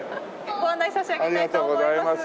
ご案内差し上げたいと思います。